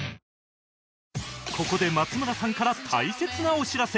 ここで松村さんから大切なお知らせ